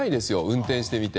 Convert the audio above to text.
運転してみて。